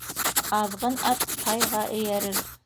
Аҙғын ат тайға эйәрер